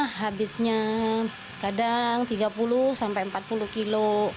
habisnya kadang tiga puluh sampai empat puluh kilo